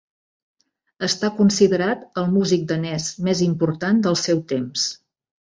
Està considerat el músic danès més important del seu temps.